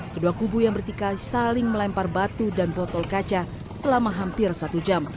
kedua kubu yang bertikal saling melempar batu dan botol kaca selama hampir satu jam